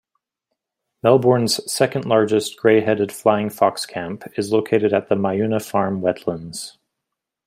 Melbourne's second largest Grey-headed flying fox camp is located at the Myuna Farm wetlands.